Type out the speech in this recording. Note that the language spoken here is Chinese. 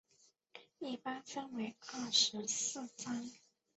一般分为二十四章。